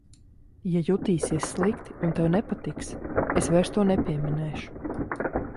Ja jutīsies slikti un tev nepatiks, es vairs to nepieminēšu.